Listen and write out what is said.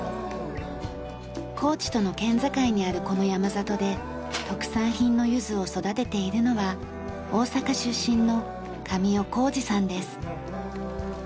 高知との県境にあるこの山里で特産品の柚子を育てているのは大阪出身の神代晃滋さんです。